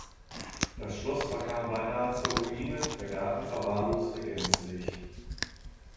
Das Schloss verkam beinahe zur Ruine, der Garten verwahrloste gänzlich.